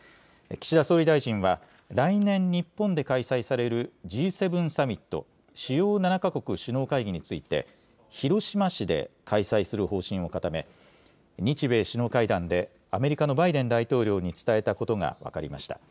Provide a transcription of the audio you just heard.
岸田総理大臣は、来年、日本で開催されるＧ７サミット・主要７か国首脳会議について、広島市で開催する方針を固め、日米首脳会談でアメリカのバイデン大統領に伝えたことが分かりました。